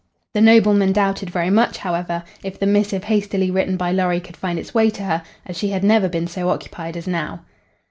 The nobleman doubted very much, however, if the missive hastily written by Lorry could find its way to her, as she had never been so occupied as now.